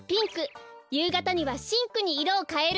ゆうがたにはしんくにいろをかえるんです。